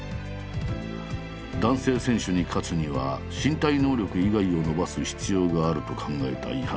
男性選手に勝つには身体能力以外を伸ばす必要があると考えた井原。